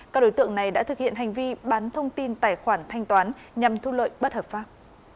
các đối tượng này đã thực hiện hành vi bán thông tin tài khoản thanh toán nhằm thu lợi bất hợp pháp